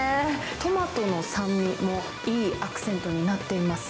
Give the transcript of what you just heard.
トマトの酸味もいいアクセントになっています。